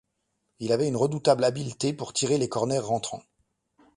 Il avait une redoutable habileté pour tirer les corners rentrants.